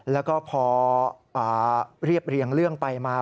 แล้วก็พอเรียบเรียงเรื่องไปมา